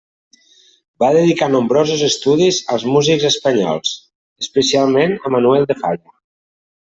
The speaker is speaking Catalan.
Va dedicar nombrosos estudis als músics espanyols, especialment a Manuel de Falla.